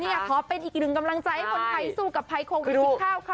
เนี่ยขอเป็นอีกหนึ่งกำลังใจให้คนไทยสู้กับไทยโครงวิทยาลัยครับ